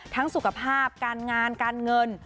สุขภาพการงานการเงิน